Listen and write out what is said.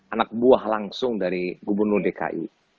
anak buah langsung dari gubernur dki